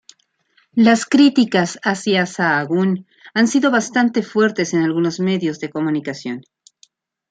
Las críticas hacia Sahagún han sido bastante fuertes en algunos medios de comunicación.